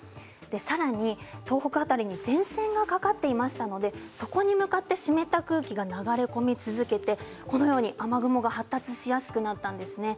さらに、東北辺りに前線がかかっていましたのでそこに向かって湿った空気が流れ込み続けて雨雲が発達しやすくなったんですね。